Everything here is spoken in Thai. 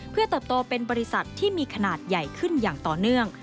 เพื่อเติบโตเป็นบริษัทที่มีขนาดใหญ่ขึ้นอย่างต่อเนื่อง